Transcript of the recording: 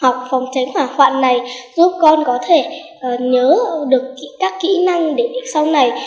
học phòng tránh hỏa hoạn này giúp con có thể nhớ được các kỹ năng để được sau này